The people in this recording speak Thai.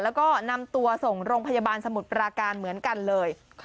แล้วก็นำตัวส่งโรงพยาบาลสมุทรปราการเหมือนกันเลย